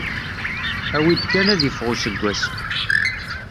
Awi-d kan ad iffeɣ useggas.